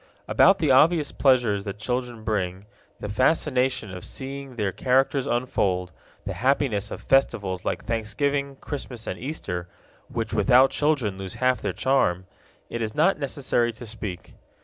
About the obvious pleasures that children bring, the fascination of seeing their characters unfold, the happiness of festivals like Thanksgiving, Christmas, and Easter, which without children lose half their charm, it is not necessary to speak.